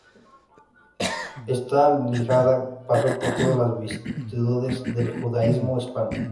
Esta aljama pasó por todas las vicisitudes del judaísmo hispano.